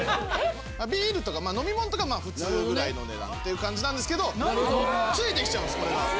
ビールとか飲み物とかは普通ぐらいの値段っていう感じなんですけど付いてきちゃうんですこれが。